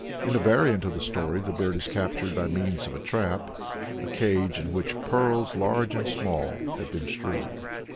In a variant of the story the bird is captured by means of a trap a cage in which "pearls large and small" have been strewed.